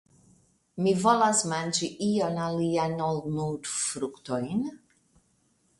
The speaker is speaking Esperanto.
Mi volas manĝi ion alian ol nur fruktojn?